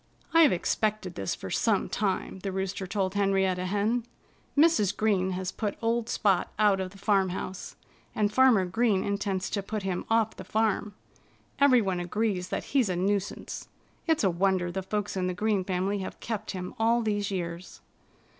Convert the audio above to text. "I've expected this for some time," the Rooster told Henrietta Hen. "Mrs. Green has put old Spot out of the farmhouse. And Farmer Green intends to put him off the farm. Everyone agrees that he's a nuisance. It's a wonder the folks in the Green family have kept him all these years."